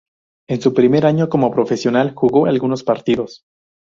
En su primer año como profesional, jugó algunos partidos.